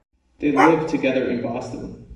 They live together in Boston.